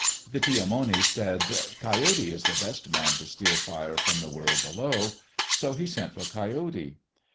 The Ti amoni said, "Coyote is the best man to steal fire from the world below," so he sent for Coyote.